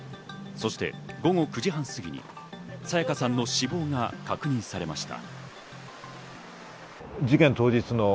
そして午後９時半すぎ、彩加さんの死亡が確認されました。